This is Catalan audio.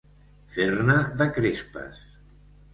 Fer-ne de crespes.